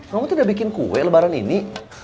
kamu tidak bikin kue lebaran ini